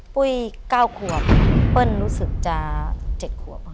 ปุ้ย๙ขวบเปิ้ลรู้สึกจะ๗ขวบค่ะ